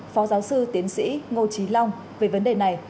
phó giáo sư tiến sĩ ngô trí long về vấn đề này